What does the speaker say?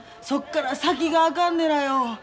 そこから先があかんねらよう。